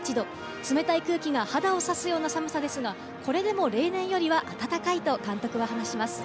冷たい空気が肌を刺すような寒さですが、これでも例年よりは暖かいと監督は話します。